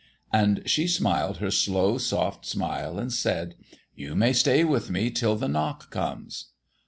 And she, smiling her slow soft smile, said: "You may stay with me till the knock comes."